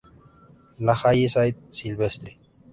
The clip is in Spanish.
La Haye-Saint-Sylvestre